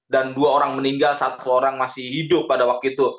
dan dua orang meninggal satu orang masih hidup pada waktu itu